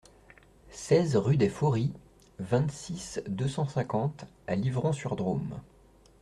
seize rue des Fauries, vingt-six, deux cent cinquante à Livron-sur-Drôme